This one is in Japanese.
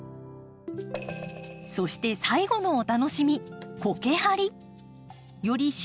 そして最後のお楽しみコケ張り。